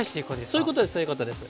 そういうことですそういうことです。